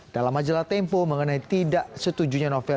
dalam majalah tempo mengenai tidak setujunya novel